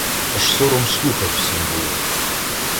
Аж сором слухать всім було.